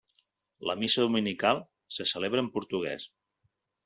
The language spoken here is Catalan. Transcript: La missa dominical se celebra en portuguès.